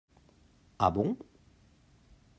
Ah bon?